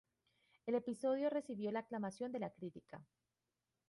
El episodio recibió la aclamación de la crítica.